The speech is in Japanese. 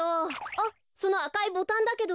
あっそのあかいボタンだけど。